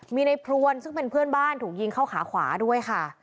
มีในพรวนซึ่งเป็นเพื่อนบ้านถูกยิงเข้าขาขวาด้วยค่ะ